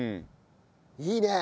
いいね。